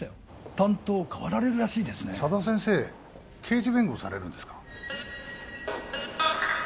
担当を変わられるらしいですね佐田先生刑事弁護をされるんですか？